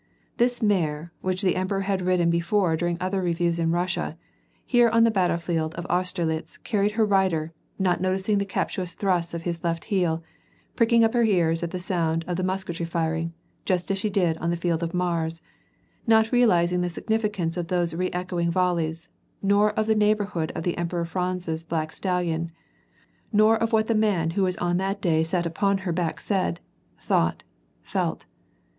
This mare which the empe ror had ridden before during other reviews in Russia, here on the battlefield of Austerlitz carried her rider, not noticing the captious thrusts of his left heel, pricking up her ears at the soonds of the musketry firing, just as she did on the Field of iLurs,* not realizing the significance of those re echoing vol %s, nor of the neighborhood of the Emperor Franz's black stallion, nor of what the man who on that day sat upon her back said, thought, felt.